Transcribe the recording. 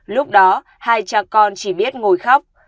lúc đó hai cha con chỉ biết ngồi khóc